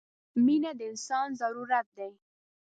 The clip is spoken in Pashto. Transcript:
• مینه د انسان ضرورت دی.